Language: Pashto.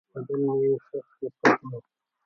بدن مې شخ پخ و.